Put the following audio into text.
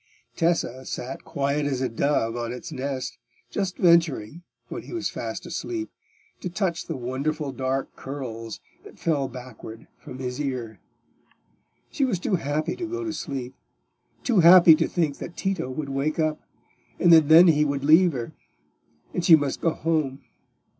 Tessa sat quiet as a dove on its nest, just venturing, when he was fast asleep, to touch the wonderful dark curls that fell backward from his ear. She was too happy to go to sleep—too happy to think that Tito would wake up, and that then he would leave her, and she must go home.